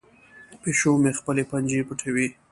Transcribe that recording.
پیشو مې خپلې پنجې پټوي.